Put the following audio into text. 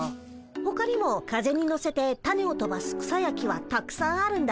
ほかにも風に乗せてタネをとばす草や木はたくさんあるんだ。